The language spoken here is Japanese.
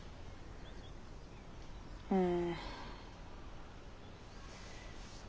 うん。